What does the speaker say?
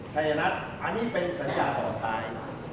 ชัยนัทอันนี้เป็นสัญญาต่อต่อต่าย